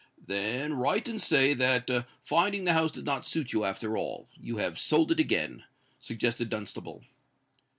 "Then write and say that, finding the house did not suit you after all, you have sold it again," suggested Dunstable.